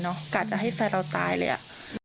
เนอะกลับจะให้แฟนเราตายเลยอ่ะ